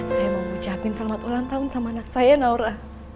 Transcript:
saya mau ucapin selamat ulang tahun sama anak saya naura